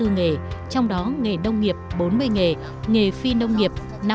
nghề phi nông nghiệp năm mươi bốn nghề